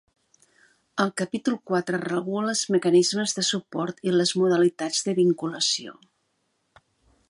El capítol quatre regula els mecanismes de suport i les modalitats de vinculació.